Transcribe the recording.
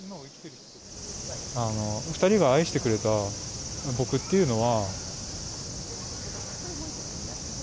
２人が愛してくれた僕っていうのは。